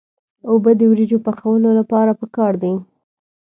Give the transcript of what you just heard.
اوبه د وریجو پخولو لپاره پکار دي.